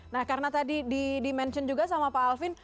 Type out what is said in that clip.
nah karena tadi di mention juga sama pak alvin